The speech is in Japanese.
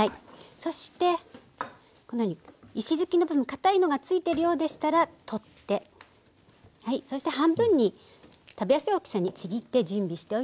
そしてこのように石突きなどかたいのが付いているようでしたら取って半分に食べやすい大きさにちぎって準備しておいて下さい。